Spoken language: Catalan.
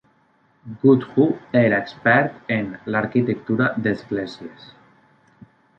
Goodhue era expert en l'arquitectura d'esglésies.